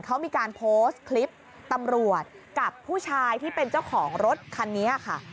เขามีการโพสต์คลิปตำรวจกับผู้ชายที่เป็นเจ้าของรถคันนี้ค่ะ